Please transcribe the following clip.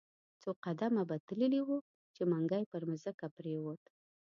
څو قدمه به تللی وو، چې منګی پر مځکه پریووت.